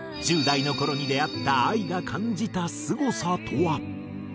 １０代の頃に出会ったＡＩが感じたすごさとは？